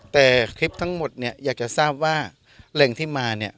แต่คลิปทั้งหมดเนี่ยอยากจะทราบว่าแหล่งที่มาเนี่ย